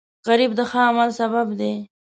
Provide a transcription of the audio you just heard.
غریب د ښه عمل سبب دی